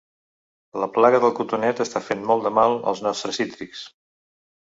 La plaga del cotonet està fent molt de mal als nostres cítrics.